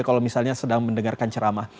kalau misalnya sedang mendengar khotib